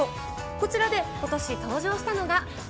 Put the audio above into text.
こちらでことし登場したのが。